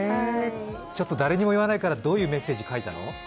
誰にも言わないから、どういうメッセージ書いたの？